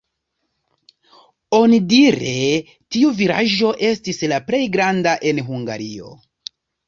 Onidire tiu vilaĝo estis la plej granda en Hungario.